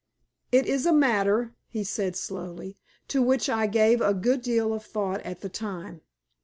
"It is a matter," he said, slowly, "to which I gave a good deal of thought at the time.